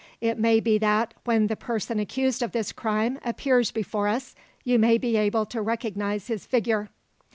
It may be that, when the person accused of this crime appears before us, you may be able to recognize his figure."